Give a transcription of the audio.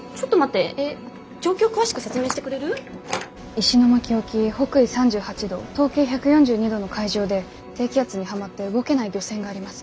石巻沖北緯３８度東経１４２度の海上で低気圧にはまって動けない漁船があります。